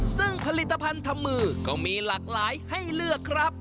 ซึ่งผลิตภัณฑ์ทำมือก็มีหลากหลายให้เลือกครับ